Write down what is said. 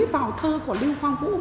vào thơ của lưu quang vũ